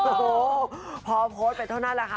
โอ้โหพอโพดเป็นเท่านั้นแล้วค่ะ